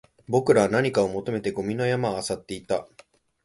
僕らは何かを求めてゴミの山を漁っていた